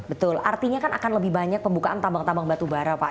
betul artinya kan akan lebih banyak pembukaan tambang tambang batubara pak